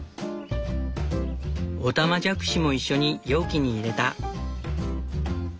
オタマジャクシもいっしょに容器に入れた。